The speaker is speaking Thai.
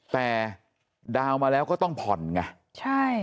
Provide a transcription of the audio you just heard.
แต่ดาวน์มาแล้วก็ต้องผ่อนไงใช่